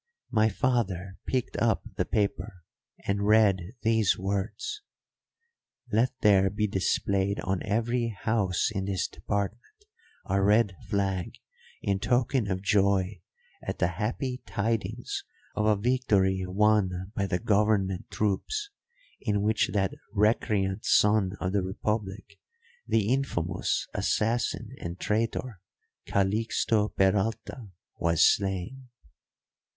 My father picked up the paper and read these words: 'Let there be displayed on every house in this department a red flag, in token of joy at the happy tidings of a victory won by the government troops, in which that recreant son of the republic, the infamous assassin and traitor, Calixto Peralta, was slain!'